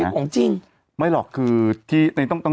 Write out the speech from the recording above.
มันไม่ใช่ของจริง